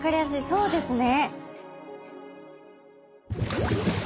そうですね。